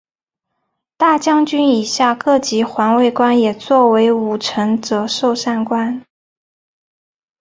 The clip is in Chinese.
大将军以下各级环卫官也作为武臣责授散官。